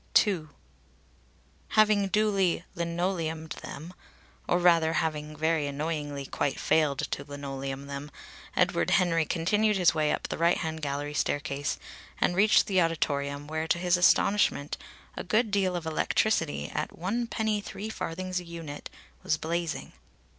II. Having duly "linoleumed them," or rather having very annoyingly quite failed to "linoleum them," Edward Henry continued his way up the right hand gallery staircase and reached the auditorium, where to his astonishment a good deal of electricity, at one penny three farthings a unit, was blazing.